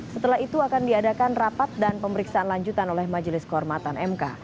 setelah itu akan diadakan rapat dan pemeriksaan lanjutan oleh majelis kehormatan mk